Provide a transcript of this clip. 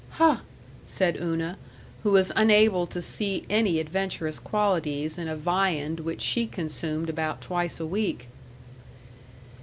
"Huh!" said Una, who was unable to see any adventurous qualities in a viand which she consumed about twice a week.